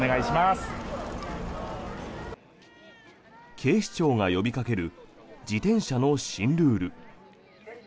警視庁が呼びかける自転車の新ルール。